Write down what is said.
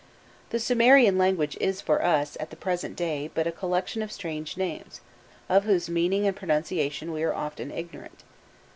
The Sumerian language is for us, at the present day, but a collection of strange names, of whose meaning and pronunciation we are often ignorant.